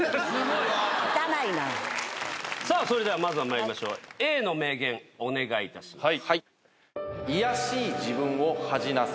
それではまずはまいりましょうＡの名言お願いいたします。